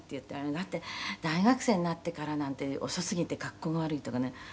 “だって大学生になってからなんて遅すぎて格好が悪い”とかね」